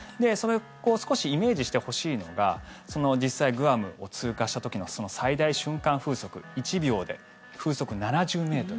少しイメージしてほしいのが実際、グアムを通過した時の最大瞬間風速１秒で風速７０ｍ。